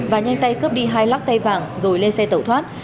và nhanh tay cướp đi hai lắc tay vàng rồi lên xe tẩu thoát